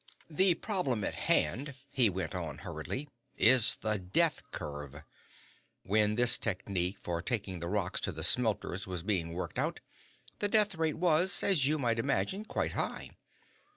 "The problem at hand," he went on hurriedly, "is the death curve. When this technique for taking the rocks to the smelters was being worked out, the death rate was as you might imagine quite high.